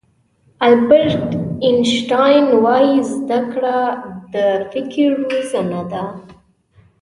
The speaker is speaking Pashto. البرټ آینشټاین وایي زده کړه د فکر روزنه ده.